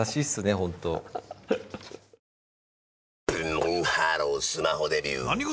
ブンブンハロースマホデビュー！